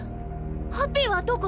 ハッピーはどこ？